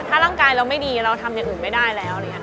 ถ้าร่างกายเราไม่ดีเราทำอย่างอื่นไม่ได้แล้ว